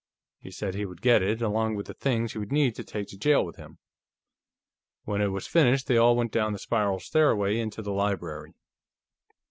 He said he would get it, along with the things he would need to take to jail with him. When it was finished, they all went down the spiral stairway into the library.